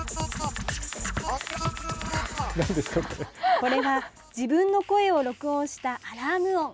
これは自分の声を録音したアラーム音。